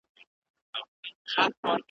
نارې د حق دي زیندۍ په ښار کي .